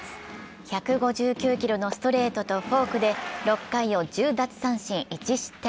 １５９キロのストレートとフォークで６回を１０奪三振１失点。